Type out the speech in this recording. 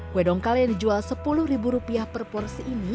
kue dongkal yang dijual sepuluh ribu rupiah per porsi ini